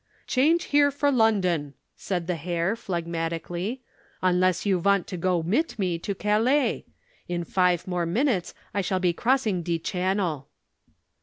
"Change here for London!" said the Herr, phlegmatically, "unless you want to go mit me to Calais. In five more minutes I shall be crossing de Channel."